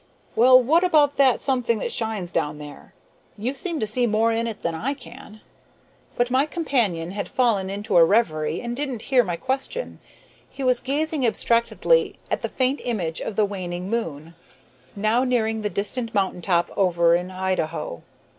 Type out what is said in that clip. "Well, what about that something that shines down there? You seem to see more in it than I can." But my companion had fallen into a reverie and didn't hear my question. He was gazing abstractedly at the faint image of the waning moon, now nearing the distant mountain top over in Idaho.